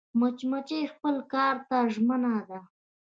مچمچۍ خپل کار ته ژمنه ده